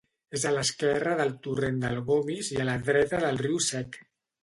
És a l'esquerra del torrent del Gomis i a la dreta del Riu Sec.